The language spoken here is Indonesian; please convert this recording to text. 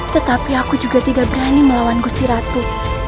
tetapi aku juga tidak berani melawan gusti ratu